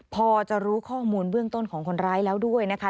พอจะรู้ข้อมูลเบื้องต้นของคนร้ายแล้วด้วยนะคะ